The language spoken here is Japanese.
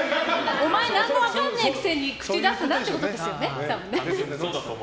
お前何も分かんねえくせに口出すなってことですよね。